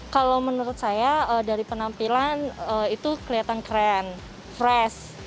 kalau menurut saya dari penampilan itu kelihatan keren fresh